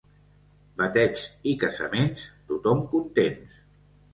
Bateigs i casaments, tothom contents.